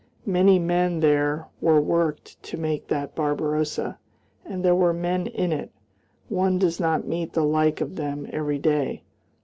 Many men there were worked to make that Barbarossa, and there were men in it one does not meet the like of them every day.